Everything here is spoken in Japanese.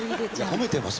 褒めてます。